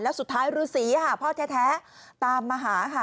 แล้วสุดท้ายฤษีค่ะพ่อแท้ตามมาหาค่ะ